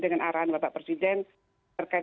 dengan arahan bapak presiden terkait